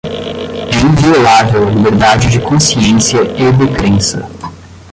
é inviolável a liberdade de consciência e de crença